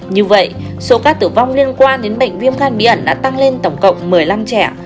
như vậy số ca tử vong liên quan đến bệnh viêm gan bí ẩn đã tăng lên tổng cộng một mươi năm trẻ